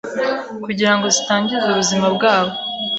kugira ngo zitangiza ubuzima bwabo